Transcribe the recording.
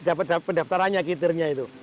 dapat pendaftarannya kitirnya itu